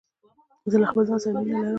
زه له خپل ځان سره مینه لرم.